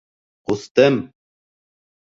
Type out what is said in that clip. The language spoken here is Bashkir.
Ҡустым!